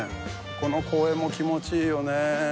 この公園も気持ちいいよね